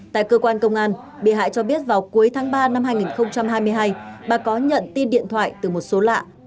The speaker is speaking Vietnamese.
tại cơ quan công an bị hại cho biết vào cuối tháng ba năm hai nghìn hai mươi hai bà có nhận tin điện thoại từ một số lạ